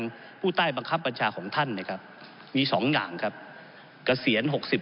ผมอภิปรายเรื่องการขยายสมภาษณ์รถไฟฟ้าสายสีเขียวนะครับ